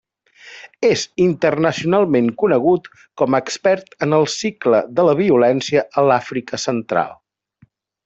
És internacionalment conegut com a expert en el cicle de la violència a l'Àfrica Central.